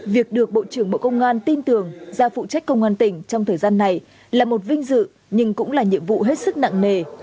việc được bộ trưởng bộ công an tin tưởng ra phụ trách công an tỉnh trong thời gian này là một vinh dự nhưng cũng là nhiệm vụ hết sức nặng nề